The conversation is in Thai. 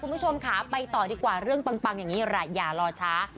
คุณผู้ชมค่ะไปต่อดีกว่าเรื่องปังอย่ารอช้า